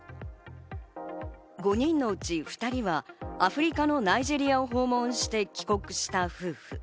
５人のうち２人はアフリカのナイジェリアを訪問して帰国した夫婦。